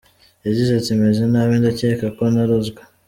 Yagize ati" Meze nabi ndakeka ko narozwe.